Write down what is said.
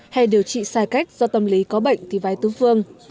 hay điều trị sai cách do tâm lý có bệnh thì vái tứ phương